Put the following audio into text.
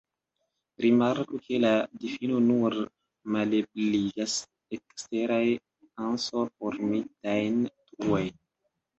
Rimarku ke la difino nur malebligas eksteraj anso-formitajn truoj.